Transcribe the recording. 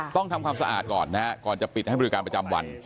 ต้องทำความสะอาดก่อนนะฮะก่อนจะปิดให้บริการประจำวัน